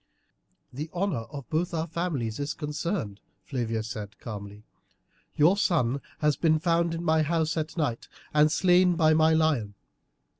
"The honour of both our families is concerned," Flavia said calmly. "Your son has been found in my house at night and slain by my lion.